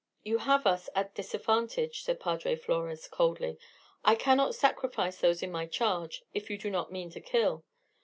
"You have us at disadvantage," said Padre Flores, coldly. "I cannot sacrifice those in my charge, if you do not mean to kill.